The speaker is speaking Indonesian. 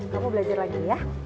kamu belajar lagi ya